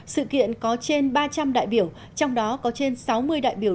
sự kiện có trên ba trăm linh đại biểu trong đó có trên sáu mươi đại biểu